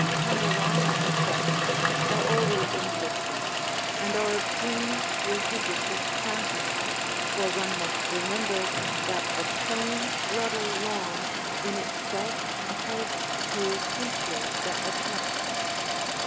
Panorama effects are always interesting and are obtained through judicious planting, for one must remember that a plain level lawn in itself has few features that attract.